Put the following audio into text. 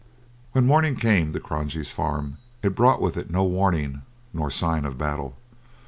When morning came to Cronje's farm it brought with it no warning nor sign of battle.